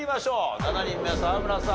７人目沢村さん